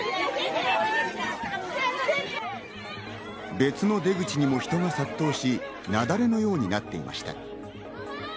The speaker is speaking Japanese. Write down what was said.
別の出口にも人が殺到し、雪崩のようになっていました。